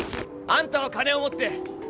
あんたは金を持って